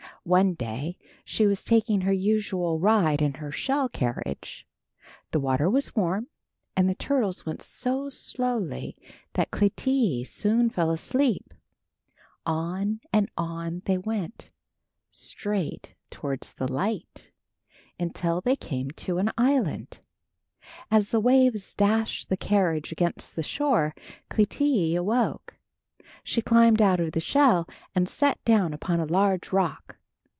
One day she was taking her usual ride in her shell carriage. The water was warm and the turtles went so slowly that Clytie soon fell asleep. On and on they went, straight towards the light, until they came to an island. As the waves dashed the carriage against the shore Clytie awoke. She climbed out of the shell and sat down upon a large rock.